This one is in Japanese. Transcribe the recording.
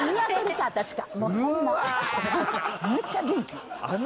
むっちゃ元気。